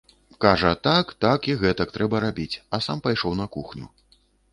Кажа, так, так і гэтак трэба рабіць, а сам пайшоў на кухню.